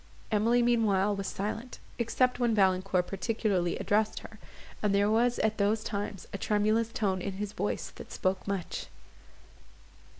Emily meanwhile was silent, except when Valancourt particularly addressed her, and there was at those times a tremulous tone in his voice that spoke much.